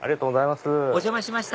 お邪魔しました！